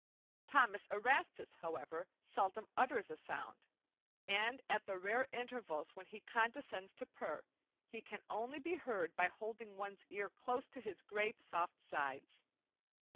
Thomas Erastus, however, seldom utters a sound, and at the rare intervals when he condescends to purr, he can only be heard by holding one's ear close to his great, soft sides.